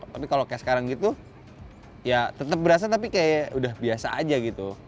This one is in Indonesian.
tapi kalau kayak sekarang gitu ya tetap berasa tapi kayak udah biasa aja gitu